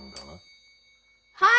はい！